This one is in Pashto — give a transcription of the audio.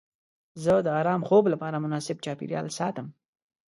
زه د ارام خوب لپاره مناسب چاپیریال ساتم.